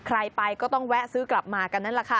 ใครไปก็ต้องแวะซื้อกลับมากันนั่นแหละค่ะ